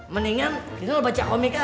mendingan dino baca komik aja